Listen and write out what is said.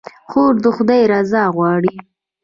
خور د خدای رضا غواړي.